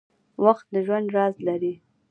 • وخت د ژوند راز لري.